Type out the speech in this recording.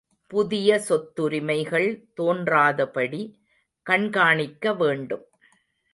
புதிய சொத்துரிமைகள் தோன்றாதபடி கண் காணிக்க வேண்டும்.